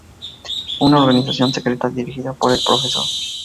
Una organización secreta dirigida por el profesor.